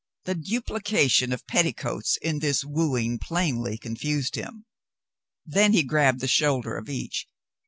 The duplication of petticoats in this wooing plainly confused him. Then he grabbed the shoulder of each.